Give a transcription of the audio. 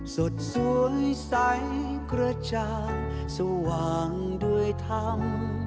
สดสวยใสกระจางสว่างด้วยธรรม